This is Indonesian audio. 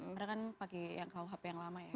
karena kan pakai yang rkuhp yang lama ya